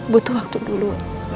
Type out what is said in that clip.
butuh waktu dulu